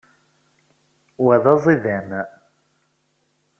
Wa d aẓidan.